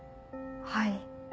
はい。